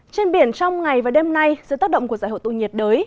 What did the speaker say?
trên biển trong ngày và đêm nay dưới tác động của giải hội tụ nhiệt đới